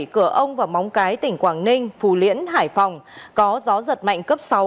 cửa ông và móng cái tỉnh quảng ninh phù liễn hải phòng có gió giật mạnh cấp sáu